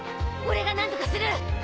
俺が何とかする